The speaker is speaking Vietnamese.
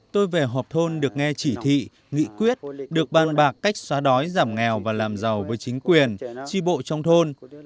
tôi về họp thôn được nghe chỉ thị nghị quyết được bàn bạc cách xóa đói giảm nghèo và làm giàu với chính quyền tri bộ trong thôn